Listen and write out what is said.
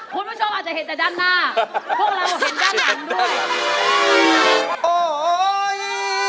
คุณผู้ชมอาจจะเห็นแต่ด้านหน้าพวกเราเห็นด้านหลังด้วยโอ้โห